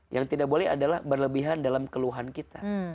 yang tidak boleh adalah berlebihan dalam keluhan kita